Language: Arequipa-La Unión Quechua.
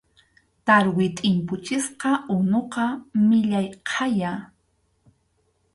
Tarwi tʼimpuchisqa unuqa millay haya.